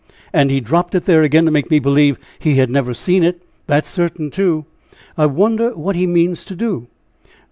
And he dropped it there again to make me believe he had never seen it; that's certain, too. I wonder what he means to do!